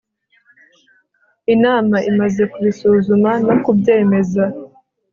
inama imaze kubisuzuma no kubyemeza